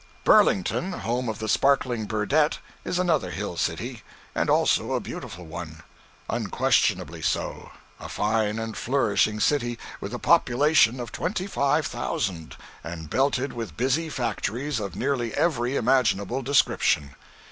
Burlington, home of the sparkling Burdette, is another hill city; and also a beautiful one; unquestionably so; a fine and flourishing city, with a population of twenty five thousand, and belted with busy factories of nearly every imaginable description.